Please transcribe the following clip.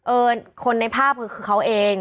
คนในภาพคือเขาเอง